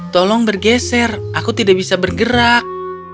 tolong bergeser aku tidak bisa bergerak